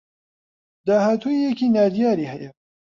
داهاتوویێکی نادیاری هەیە